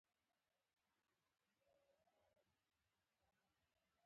دوی ځانګړي ډول مڼې لري.